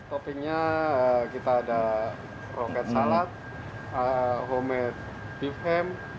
toppingnya kita ada roket salad homemade beef ham